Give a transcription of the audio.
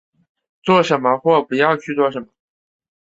做什么或不要去做什么